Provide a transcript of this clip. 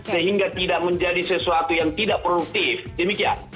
sehingga tidak menjadi sesuatu yang tidak produktif demikian